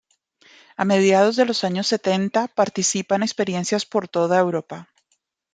A mediados de los años setenta participa en experiencias por toda Europa.